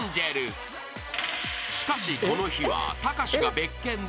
［しかしこの日はたかしが別件で不在］